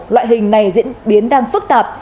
loại hình này diễn biến đang phức tạp